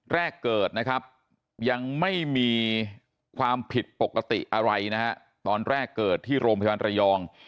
แรกเกิดนะครับยังไม่มีความผิดปกติอะไรนะฮะตอนแรกเกิดที่โรงพยาบาลระยอง